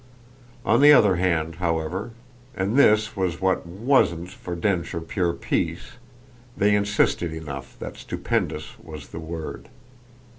On the other hand, however and this was what wasn't for Densher pure peace they insisted enough that stupendous was the word.